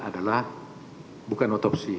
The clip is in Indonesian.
adalah bukan otopsi